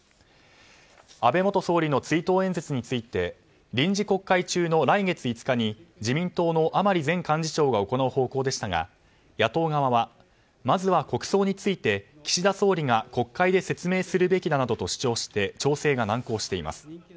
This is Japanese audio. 安倍元総理の追悼演説について臨時国会中の来月５日に自民党の甘利前幹事長が行う方向でしたが野党側はまずは国葬について岸田総理が国会で説明するべきなどと主張して調整が難航しています。